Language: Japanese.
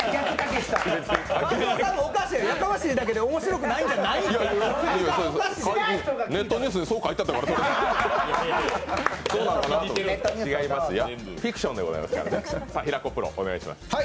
やかましいだけで面白くないっておかしい。